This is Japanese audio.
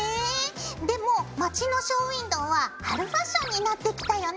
でも街のショーウインドーは春ファッションになってきたよね。